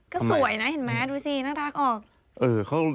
ก็สวยนะเห็นไหมดูสิน่ารักออก